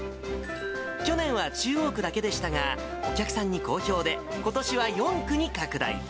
去年は中央区だけでしたが、お客さんに好評で、ことしは４区に拡大。